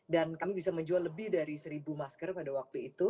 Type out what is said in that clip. dan kami bisa menjual lebih dari seribu masker pada waktu itu